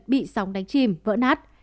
bị sóng đánh chìm vỡ nát